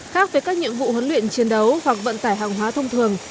khác với các nhiệm vụ huấn luyện chiến đấu hoặc vận tải hàng hóa thông thường